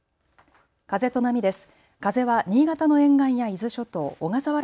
風と波です。